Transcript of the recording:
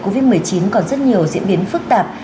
covid một mươi chín còn rất nhiều diễn biến phức tạp